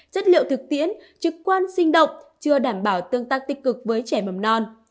chất liệu thực tiễn trực quan sinh động chưa đảm bảo tương tác tích cực với trẻ mầm non